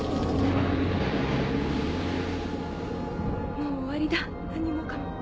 もう終わりだ何もかも。